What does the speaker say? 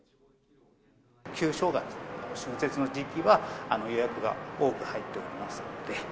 旧正月・春節の時期は予約が多く入っておりますので。